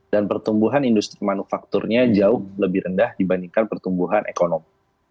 dan pertumbuhan industri manufakturnya jauh lebih rendah dibandingkan pertumbuhan ekonomi